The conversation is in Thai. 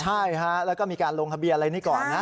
ใช่ฮะแล้วก็มีการลงทะเบียนอะไรนี้ก่อนนะ